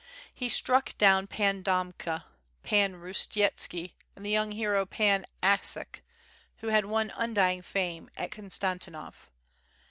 He struck down Pan Dombka, Pan Rusietski and the young hero Pan Aksak, who had won un dying fame at Konstantinov.